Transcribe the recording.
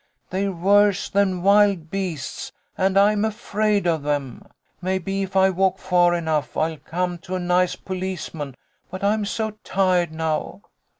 They're worse than wild beasts, and I'm afraid of 'em. Maybe if I walk far enough I'll come to a nice policeman, but I'm so tired now."